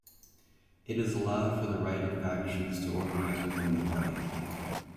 It allowed for the right of factions to organise within the Party.